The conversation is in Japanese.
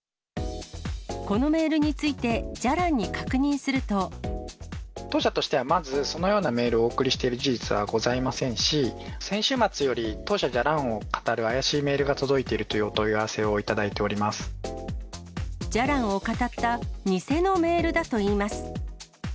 このメールについて、じゃらんに当社としてはまず、そのようなメールをお送りしている事実はございませんし、先週末より、当社じゃらんをかたる怪しいメールが届いているというお問い合わじゃらんをかたった偽のメールだといいます。